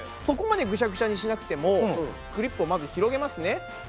そこまでグシャグシャにしなくてもクリップをまず広げますね。